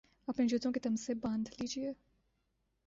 اپنے جوتوں کے تسمے باندھ لیجئے